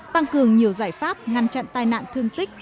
tăng cường nhiều giải pháp ngăn chặn tai nạn thương tích